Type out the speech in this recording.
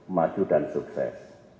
maju dan sukses